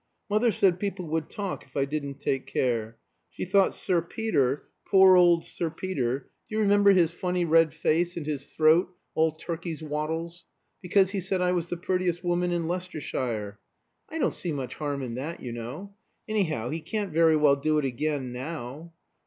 "Mother said people would talk if I didn't take care. She thought Sir Peter poor old Sir Peter do you remember his funny red face, and his throat all turkey's wattles? because he said I was the prettiest woman in Leicestershire. I don't see much harm in that, you know. Anyhow, he can't very well do it again now.